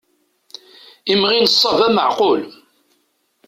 Imɣi n ṣṣaba meεqul.